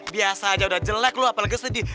biasa aja udah jelek loh apalagi sedih